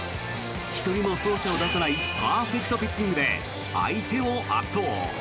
１人も走者を出さないパーフェクトピッチングで相手を圧倒。